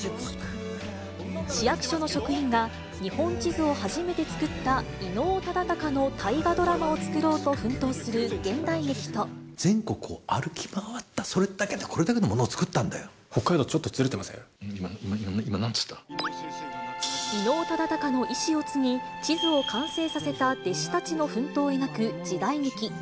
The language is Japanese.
市役所の職員が、日本地図を初めて作った伊能忠敬の大河ドラマを作ろうと奮闘する全国を歩き回った、それだけ北海道、ちょっとずれてませ今、伊能忠敬の遺志を継ぎ、地図を完成させた弟子たちの奮闘を描く時代劇。